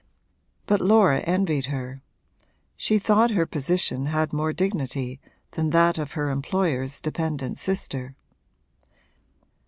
But Laura envied her she thought her position had more dignity than that of her employer's dependent sister.